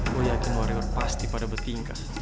gue yakin warior pasti pada bertingkah